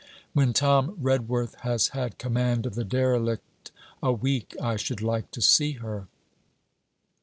'When Tom Redworth has had command of the "derelict" a week, I should like to see her!'